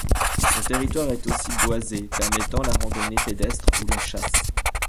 Son territoire est aussi boisé permettant la randonnée pédestre ou la chasse.